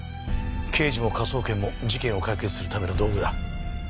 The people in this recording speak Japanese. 刑事も科捜研も事件を解決するための道具だ。